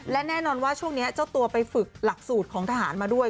และแน่นอนว่าช่วงนี้เจ้าตัวไปฝึกหลักสูตรของทหารมาด้วย